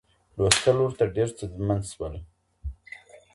لوستل ورته ډېر ستونزمن شول.